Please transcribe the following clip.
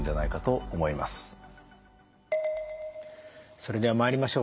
それでは参りましょう。